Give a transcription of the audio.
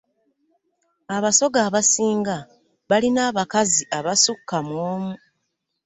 Abasoga abasinga balina abakazi abasukka mu omu.